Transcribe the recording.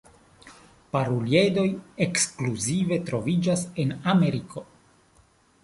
Paruliedoj ekskluzive troviĝas en Ameriko.